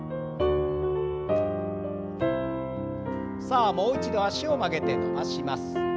さあもう一度脚を曲げて伸ばします。